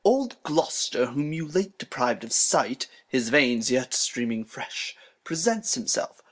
Old Gloster, whom you late depriv'd of Sight, (His Veins yet streaming fresh,) presents himself.